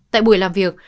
tại buổi làm việc